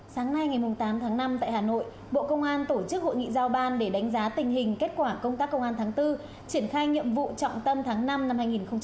sáng nay ngày tám tháng năm tại hà nội bộ công an tổ chức hội nghị giao ban để đánh giá tình hình kết quả công tác công an tháng bốn triển khai nhiệm vụ trọng tâm tháng năm năm hai nghìn hai mươi